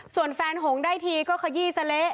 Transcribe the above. ส่วนแฟนหงได้ทีก็เขือสะเล